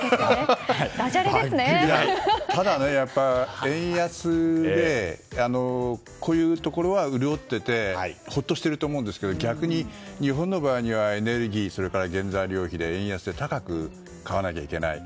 ただ、円安でこういうところは潤っていてほっとしていると思うんですけど逆に日本の場合はエネルギーそれから原材料費で円安で高く買わないといけない。